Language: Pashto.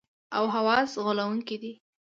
او حواس غولونکي دي.